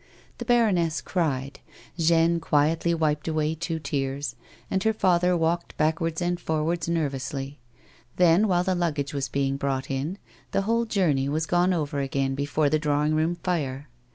The baroness cried, Jeanne quietly wiped away two tears, and her father walked backwards and forwards nervonsly. Then, while the luggage was being brought in, the whole journey was gone over again before the drawing room fire.